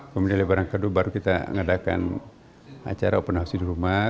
kemudian lebaran kedua baru kita mengadakan acara open house di rumah